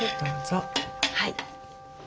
はい。